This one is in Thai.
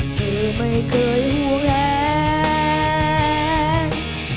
เธอไม่เคยห่วงแห้ง